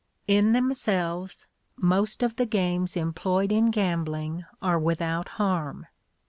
In themselves most of the games employed in gambling are without harm.